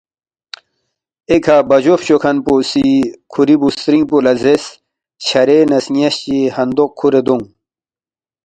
ایکھہ بَجوفچوکھن پو سی کُھوری بُوسترِنگ پو لہ زیرس، ”چھرے نہ سن٘یاس چی ہندوق کُھورے دونگ